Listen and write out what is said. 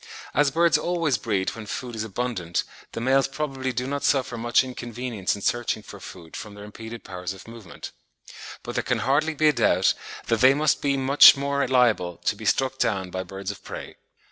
As birds always breed when food is abundant, the males probably do not suffer much inconvenience in searching for food from their impeded powers of movement; but there can hardly be a doubt that they must be much more liable to be struck down by birds of prey.